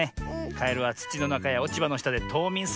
カエルはつちのなかやおちばのしたでとうみんするからね。